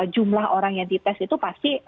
jumlah orang yang dites itu pasti